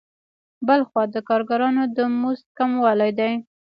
بل خوا د کارګرانو د مزد کموالی دی